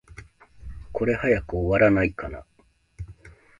これ、早く終わらないかな。